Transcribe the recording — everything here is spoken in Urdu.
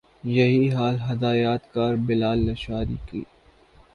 یہی حال ہدایت کار بلال لاشاری کی